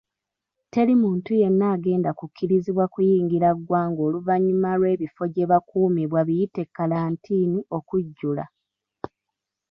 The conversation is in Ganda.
Teri muntu yenna agenda kukkirizibwa kuyingira ggwanga oluvannyuma lw'ebifo gyebakuumibwa biyite kalantiini okujjula.